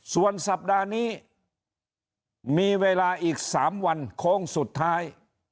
ส่วนสัปดาห์นี้มีเวลาอีก๓วันโค้งสุดท้าย